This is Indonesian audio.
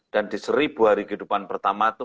dan di seribu hari kehidupan pertama itu